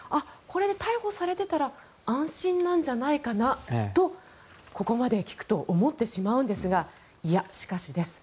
逮捕されてたら安心なんじゃないかなとここまで聞くと思ってしまうんですがいや、しかしです。